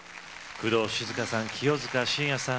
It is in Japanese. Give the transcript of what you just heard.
工藤静香さん清塚信也さん